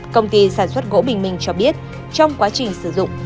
công ty sản xuất gỗ bình minh cho biết trong quá trình sử dụng